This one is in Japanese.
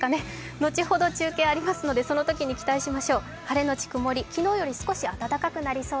後ほど中継がありますのでそのときに期待しましょう。